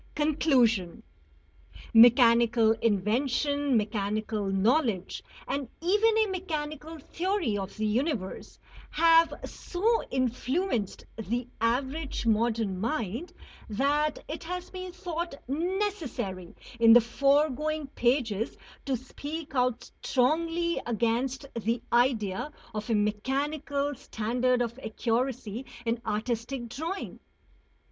XXI CONCLUSION Mechanical invention, mechanical knowledge, and even a mechanical theory of the universe, have so influenced the average modern mind, that it has been thought necessary in the foregoing pages to speak out strongly against the idea of a mechanical standard of accuracy in artistic drawing.